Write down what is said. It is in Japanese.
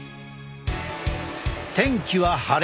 天気は晴れ。